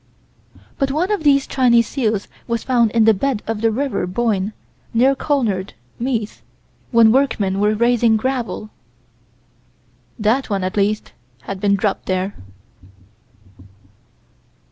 But one of these Chinese seals was found in the bed of the River Boyne, near Clonard, Meath, when workmen were raising gravel. That one, at least, had been dropped there.